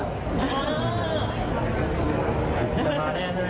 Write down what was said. จะมาแน่นใช่ไหมครับ